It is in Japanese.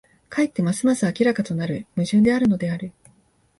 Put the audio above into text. かえってますます明らかとなる矛盾であるのである。